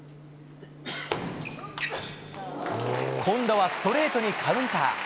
今度はストレートにカウンター。